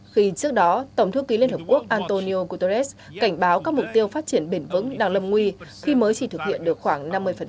khi trước đó tổng thư ký liên hợp quốc antonio guterres cảnh báo các mục tiêu phát triển bền vững đang lâm nguy khi mới chỉ thực hiện được khoảng năm mươi